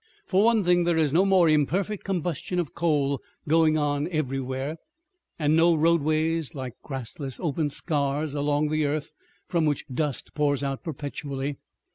For one thing, there is no more imperfect combustion of coal going on everywhere, and no roadways like grassless open scars along the earth from which dust pours out perpetually.